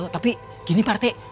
tapi gini pak rt